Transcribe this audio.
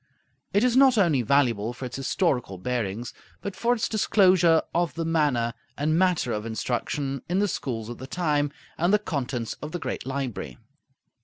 It is not only valuable for its historical bearings, but for its disclosure of the manner and matter of instruction in the schools of the time, and the contents of the great library.